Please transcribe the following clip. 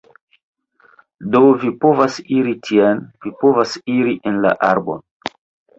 Do vi povas iri tien, vi povas iri en la arbon